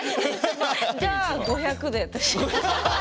じゃあ５００で私。